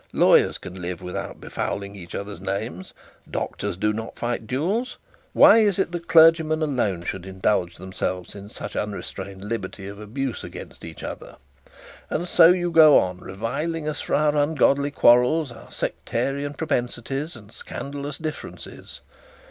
Lawyers can live without befouling each other's names; doctors do not fight duels. Why is that clergymen alone should indulge themselves in such unrestrained liberty of abuse against each other?" and so you go on reviling us for our ungodly quarrels, our sectarian propensities, and scandalous differences.